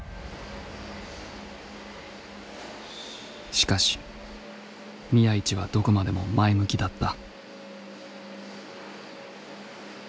しかし宮市はどこまでも前向きだった。